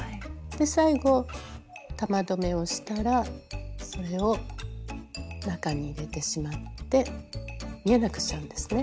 で最後玉留めをしたらそれを中に入れてしまって見えなくしちゃうんですね。